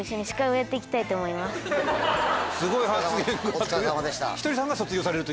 お疲れさまでした。